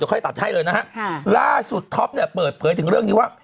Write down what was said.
จะเข้าให้ตัดให้เลยนะฮะค่ะล่าสุดท๊อปเนี้ยเปิดเผยถึงเรื่องนี้ว่า